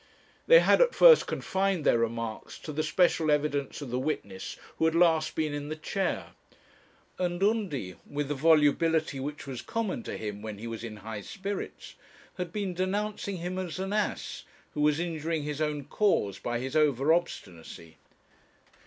They had at first confined their remarks to the special evidence of the witness who had last been in the chair; and Undy, with the volubility which was common to him when he was in high spirits, had been denouncing him as an ass who was injuring his own cause by his over obstinacy.